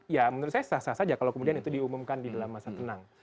ya menurut saya sah sah saja kalau kemudian itu diumumkan di dalam masa tenang